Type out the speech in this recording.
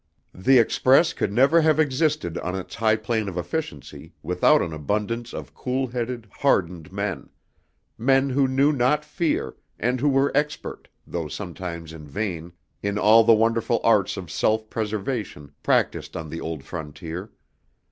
The Express could never have existed on its high plane of efficiency, without an abundance of coolheaded, hardened men; men who knew not fear and who were expert though sometimes in vain in all the wonderful arts of self preservation practiced on the old frontier.